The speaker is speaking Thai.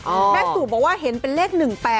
แม่สู่บอกว่าเห็นเป็นเลข๑๘